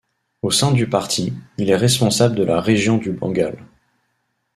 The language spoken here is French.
Au sein du parti, il est responsable de la région du Bengale.